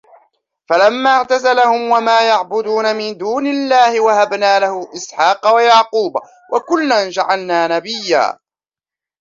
فَلَمَّا اعْتَزَلَهُمْ وَمَا يَعْبُدُونَ مِنْ دُونِ اللَّهِ وَهَبْنَا لَهُ إِسْحَاقَ وَيَعْقُوبَ وَكُلًّا جَعَلْنَا نَبِيًّا